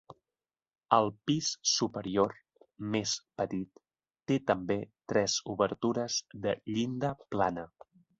Al pis superior, més petit, té també tres obertures de llinda plana.